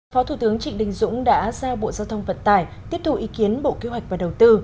phó thủ tướng trịnh đình dũng đã giao bộ giao thông vận tải tiếp thu ý kiến bộ kế hoạch và đầu tư